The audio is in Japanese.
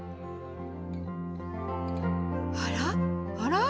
あらあら？